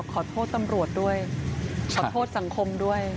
ขอโทษตำรวจด้วยขอโทษสังคมด้วย